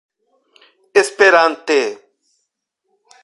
esperante